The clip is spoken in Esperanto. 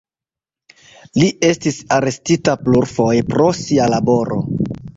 Li estis arestita plurfoje pro sia laboro.